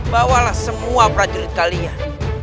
bawalah semua prajurit kalian